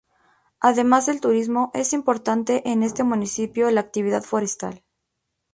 Además del turismo, es importante en este municipio la actividad forestal.